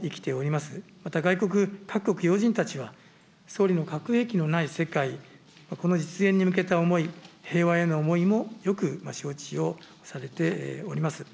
また外国、各国要人たちは、総理の核兵器のない世界、この実現に向けた思い、平和への思いもよく承知をされております。